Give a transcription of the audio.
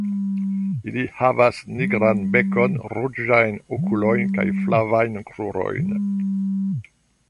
Ili havas nigran bekon, ruĝajn okulojn kaj flavajn krurojn.